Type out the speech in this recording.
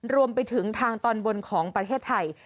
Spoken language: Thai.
รวมไปถึงทางตอนบนของประเทศไทย